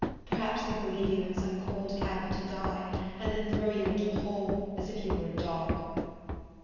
perhaps they will leave you in some cold cabin to die, and then throw you into a hole, as if you were a dog."